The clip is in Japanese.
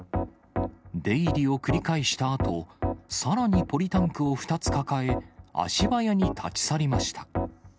出入りを繰り返したあと、さらにポリタンクを２つ抱え、足早に立ち去りました。